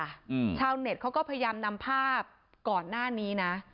ชาวเจ้าเช่นนุษย์เขาก็พยายามนำภาพก่อนหน้านี้นะ